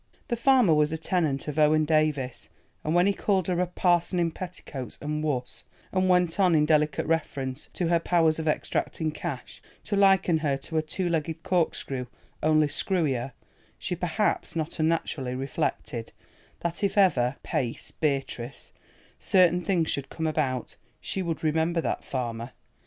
The farmer was a tenant of Owen Davies, and when he called her a "parson in petticoats, and wus," and went on, in delicate reference to her powers of extracting cash, to liken her to a "two legged corkscrew only screwier," she perhaps not unnaturally reflected, that if ever—pace Beatrice—certain things should come about, she would remember that farmer.